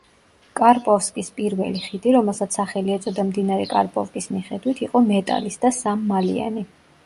კარპოვსკის პირველი ხიდი, რომელსაც სახელი ეწოდა მდინარე კარპოვკის მიხედვით, იყო მეტალის და სამმალიანი.